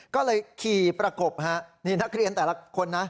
ก็เลยขี่ประกบฮะนี่นักเรียนแต่ละคนนะ